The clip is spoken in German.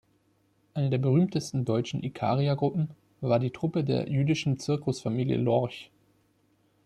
Eine der berühmtesten deutschen Ikarier-Gruppen war die Truppe der jüdischen Zirkusfamilie Lorch.